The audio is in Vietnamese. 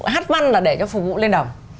hát văn là để cho phục vụ lên đồng